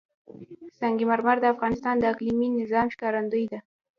سنگ مرمر د افغانستان د اقلیمي نظام ښکارندوی ده.